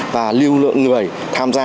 và lưu lượng người tham gia